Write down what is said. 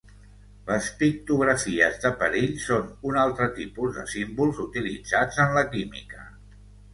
Les pictografies de perill són un altre tipus de símbols utilitzats en la química.